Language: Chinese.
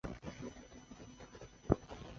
镇政府驻地在筱埕村。